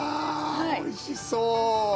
おいしそう。